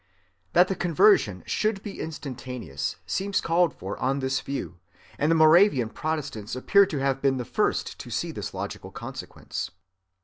That the conversion should be instantaneous seems called for on this view, and the Moravian Protestants appear to have been the first to see this logical consequence.